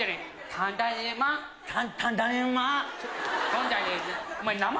「ただいま」